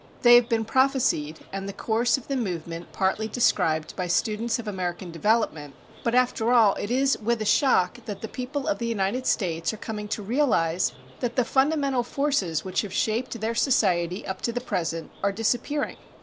They have been prophesied, and the course of the movement partly described by students of American development; but after all, it is with a shock that the people of the United States are coming to realize that the fundamental forces which have shaped their society up to the present are disappearing.